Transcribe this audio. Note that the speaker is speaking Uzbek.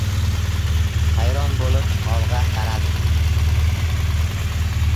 Hayron bo‘lib, olg‘a qaradim.